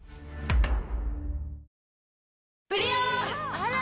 あら！